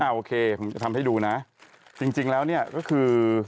อ่าโอเคผมจะทำให้ดูน่ะจริงจริงแล้วก็คือ